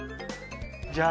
じゃあ